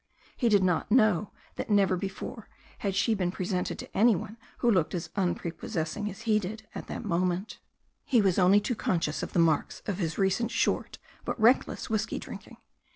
He did not know that never before had she been presented to any THE STORY OF A NEW ZEALAND RIVER ii one who looked as unprepossessing as he did at that moment. He was only too conscious of the marks of his recent short but reckless whisky drinking.